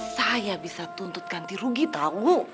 saya bisa tuntut ganti rugi tahu